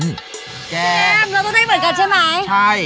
เกมเราต้องได้เหมือนกันใช่ไหมใช่